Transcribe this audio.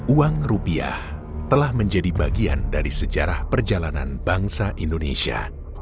uang rupiah telah menjadi bagian dari sejarah perjalanan bangsa indonesia